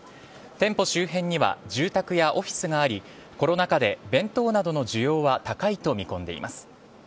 店舗周辺には住宅やオフィスがありコロナ禍で弁当などの需要は高いと見込んでいます。